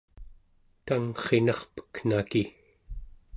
tangrrinarpek'naki